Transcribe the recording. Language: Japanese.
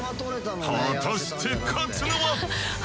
果たして勝つのは。